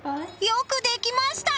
よくできました！